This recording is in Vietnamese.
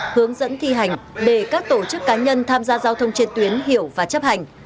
hướng dẫn thi hành để các tổ chức cá nhân tham gia giao thông trên tuyến hiểu và chấp hành